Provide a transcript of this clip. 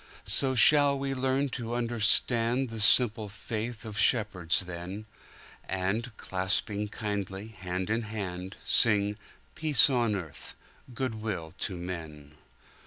So shall we learn to understandThe simple faith of shepherds then, And, clasping kindly hand in hand, Sing, "Peace on earth, good will to men!"